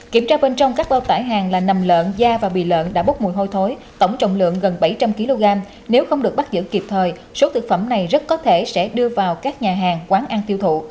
kiểm tra bên trong các bao tải hàng là nằm lợn da và bị lợn đã bốc mùi hôi thối tổng trọng lượng gần bảy trăm linh kg nếu không được bắt giữ kịp thời số thực phẩm này rất có thể sẽ đưa vào các nhà hàng quán ăn tiêu thụ